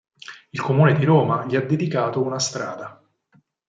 Il Comune di Roma gli ha dedicato una strada.